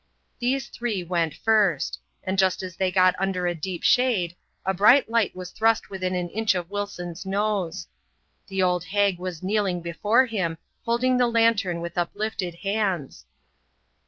These three went first ; and just as they got under a deep shade, a bright light was thrust within an inch of Wilsoa's nose. The old hag was kneeling before him, holding the lantern with uplifted hands.